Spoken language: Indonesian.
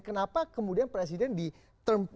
kenapa kemudian presiden ditemukan